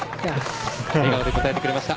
笑顔で答えてくれました。